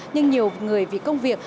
nhưng nhiều người vì công việc